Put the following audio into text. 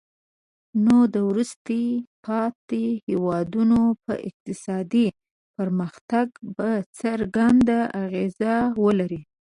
نو د وروسته پاتې هیوادونو په اقتصادي پرمختګ به څرګند اغیز ولري.